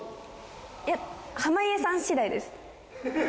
いや濱家さん次第です。